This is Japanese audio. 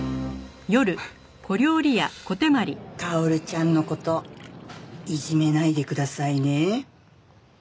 薫ちゃんの事いじめないでくださいね。